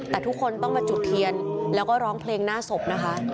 แต่ทุกคนต้องมาจุดเทียนแล้วก็ร้องเพลงหน้าศพนะคะ